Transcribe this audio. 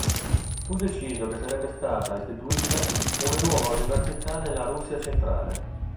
Fu deciso che sarebbe stata istituita una nuova università nella Russia centrale.